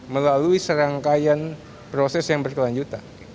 melalui serangkaian proses yang berkelanjutan